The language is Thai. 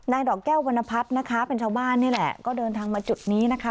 ดอกแก้ววรรณพัฒน์นะคะเป็นชาวบ้านนี่แหละก็เดินทางมาจุดนี้นะคะ